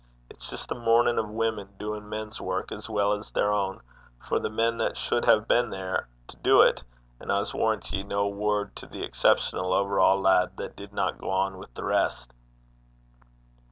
It's just the murnin' o' women, doin' men's wark as weel 's their ain, for the men that suld hae been there to du 't; and I s' warran' ye, no a word to the orra (exceptional, over all) lad that didna gang wi' the lave (rest).'